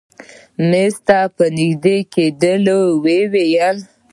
مېز ته په نژدې کېدو يې وويل.